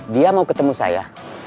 dia mau ketemu saya